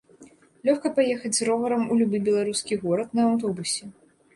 Лёгка паехаць з роварам у любы беларускі горад на аўтобусе.